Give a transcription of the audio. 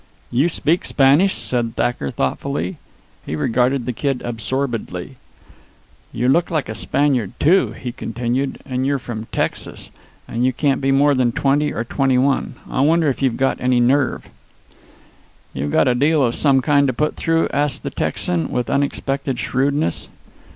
"You speak Spanish?" said Thacker thoughtfully. He regarded the kid absorbedly. "You look like a Spaniard, too," he continued. "And you're from Texas. And you can't be more than twenty or twenty one. I wonder if you've got any nerve." "You got a deal of some kind to put through?" asked the Texan, with unexpected shrewdness.